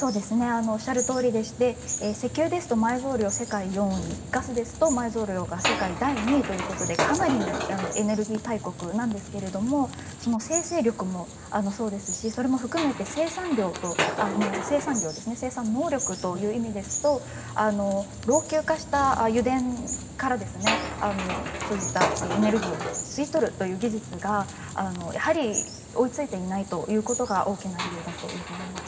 おっしゃるとおりでして石油ですと埋蔵量、世界４位ガスですと第２位ということでかなりのエネルギー大国ですがその精製力もそうですしそれも含めて生産量、生産能力という意味でいいますと老朽化した油田からそういったエネルギーを吸い取るという技術が追いついていないということが大きな理由だと思います。